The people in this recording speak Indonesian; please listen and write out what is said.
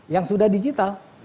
yang sudah digital